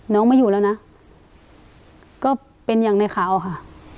ไม่อยู่แล้วนะก็เป็นอย่างในข่าวค่ะ